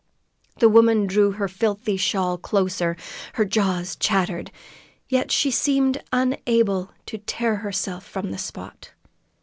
The woman drew her filthy shawl closer; her jaws chattered, yet she seemed unable to tear herself from the spot.